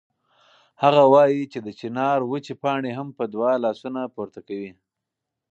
هغه وایي چې د چنار وچې پاڼې هم په دعا لاسونه پورته کوي.